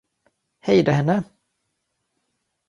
Hejda henne!